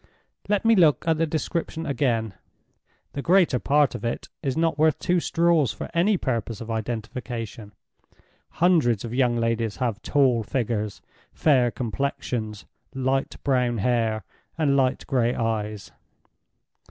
Let me look at the description again. The greater part of it is not worth two straws for any purpose of identification; hundreds of young ladies have tall figures, fair complexions, light brown hair, and light gray eyes.